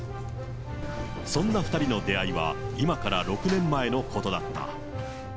そんな２人の出会いは、今から６年前のことだった。